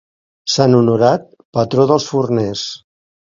Sant Honorat, patró dels forners.